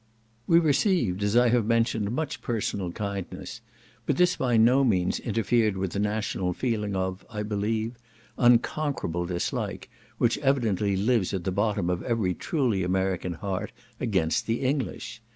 We received, as I have mentioned, much personal kindness; but this by no means interfered with the national feeling of, I believe, unconquerable dislike, which evidently lives at the bottom of every truly American heart against the English.